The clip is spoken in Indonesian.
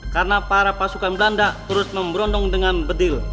karena para pasukan belanda terus memberondong dengan bedil